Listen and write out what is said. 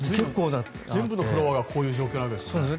全部のフロアがこういう状況なわけですよね。